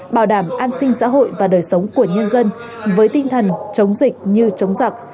bảo đảm an sinh xã hội và đời sống của nhân dân với tinh thần chống dịch như chống giặc